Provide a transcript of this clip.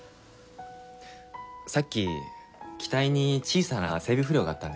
さっき機体に小さな整備不良があったんです。